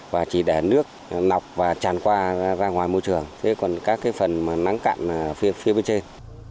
và chỉ để nước nọc và tràn qua ra ngoài môi trường thế còn các phần nắng cạn phía bên trên